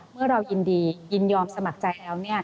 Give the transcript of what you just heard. เมื่อเรายินดียินยอมสมัครใจแล้ว